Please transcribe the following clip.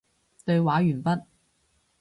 對話完畢